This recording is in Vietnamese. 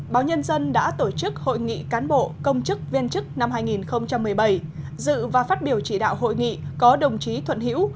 báo nhân dân đã tổ chức hội nghị cán bộ công chức viên chức năm hai nghìn một mươi bảy dự và phát biểu chỉ đạo hội nghị có đồng chí thuận hữu